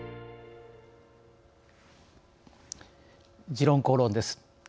「時論公論」です。